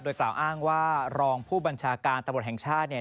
กล่าวอ้างว่ารองผู้บัญชาการตำรวจแห่งชาติเนี่ย